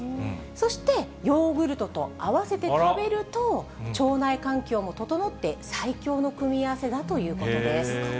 そしてヨーグルトとあわせて食べると、腸内環境も整って、最強の組み合わせだということです。